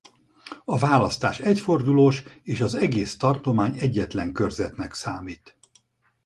A választás egyfordulós és az egész Tartomány egyetlen körzetnek számít.